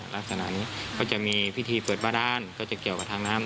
ลักษณะนี้ก็จะมีพิธีเปิดบาดานก็จะเกี่ยวกับทางน้ำ